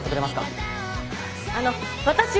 あの私は。